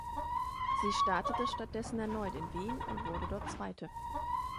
Sie startete stattdessen erneut in Wien und wurde dort Zweite.